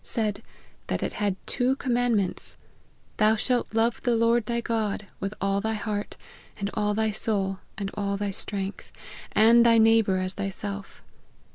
said, that it had two commandments "Thou shalt love the Lord thy God, with all thy heart, and all thy soul, and aF. thy strength ; and thy neighbour, as thyself."